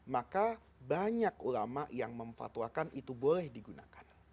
maka banyak ulama yang memfatwakan itu boleh digunakan